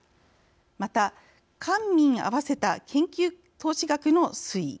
また官民合わせた研究投資額の推移